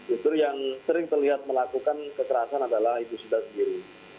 itu yang sering terlihat melakukan kekerasan adalah ibu sunda sendiri